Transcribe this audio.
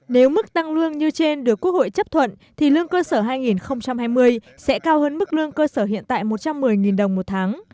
nếu mức tăng lương như trên được quốc hội chấp thuận thì lương cơ sở hai nghìn hai mươi sẽ cao hơn mức lương cơ sở hiện tại một trăm một mươi đồng một tháng